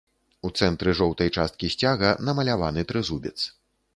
У цэнтры жоўтай часткі сцяга намаляваны трызубец.